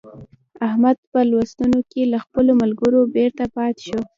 احمد په لوستونو کې له خپلو ملګرو بېرته پاته شو.